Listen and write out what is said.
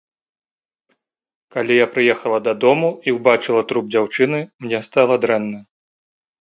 Калі я прыехала да дому і ўбачыла труп дзяўчыны, мне стала дрэнна.